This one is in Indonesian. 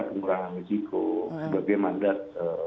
pengurangan risiko berbagai mandat